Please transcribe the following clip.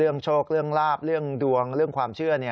โชคเรื่องลาบเรื่องดวงเรื่องความเชื่อ